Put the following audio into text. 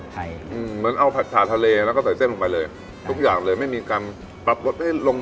ถูกปรับความยังไงครับน้อง